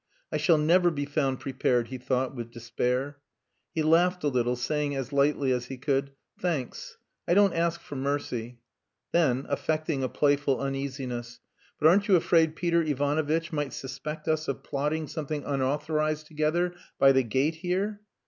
"I shall never be found prepared," he thought, with despair. He laughed a little, saying as lightly as he could "Thanks. I don't ask for mercy." Then affecting a playful uneasiness, "But aren't you afraid Peter Ivanovitch might suspect us of plotting something unauthorized together by the gate here?"